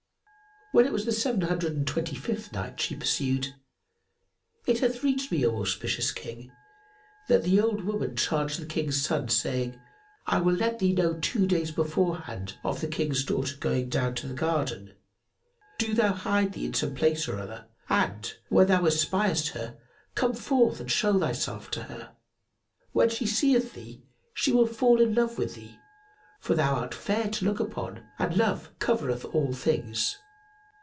When it was the Seven Hundred and Twenty fifth Night, She pursued, It hath reached me, O auspicious King, that the old woman charged the King's son, saying, "I will let thee know two days beforehand of the King's daughter going down to the garden: do thou hide thee in some place or other; and, when thou espiest her, come forth and show thyself to her. When she seeth thee, she will fall in love with thee; for thou art fair to look upon and love covereth all things.